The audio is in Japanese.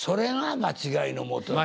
間違いのもと。